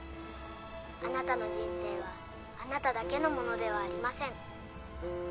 あなたの人生はあなただけのものではありません。